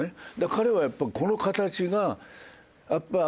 彼はやっぱこの形が頭が残って。